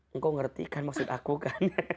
engkau ngerti kan maksud aku kan